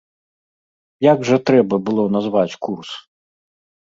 Як жа трэба было назваць курс?